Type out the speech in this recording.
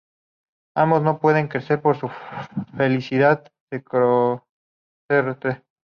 Ambos no pueden creer que su felicidad se concrete.